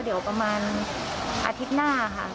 เดี๋ยวประมาณอาทิตย์หน้าค่ะ